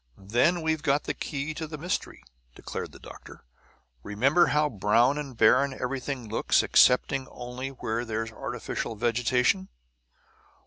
"Then we've got the key to the mystery!" declared the doctor. "Remember how brown and barren everything looks excepting only where there's artificial vegetation?